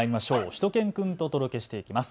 しゅと犬くんとお届けしていきます。